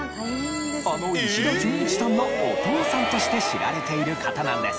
あの石田純一さんのお父さんとして知られている方なんです。